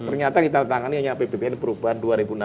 ternyata ditandatangani hanya apbn perubahan dua ribu enam belas